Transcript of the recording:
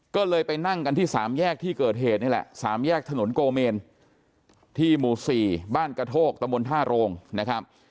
ก็เลยไปนั่งกันที่สามแยกที่เกิดเหตุนี่แหละ๓แยกถนนโกเมนที่หมู่๔บ้านกระโทกตะบนท่าโรงนะครับ